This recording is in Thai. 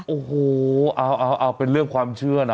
โอ้โหเอาเป็นเรื่องความเชื่อนะ